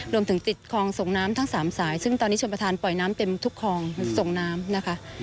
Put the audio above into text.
ติดคลองส่งน้ำทั้ง๓สายซึ่งตอนนี้ชนประธานปล่อยน้ำเต็มทุกคลองส่งน้ำนะคะ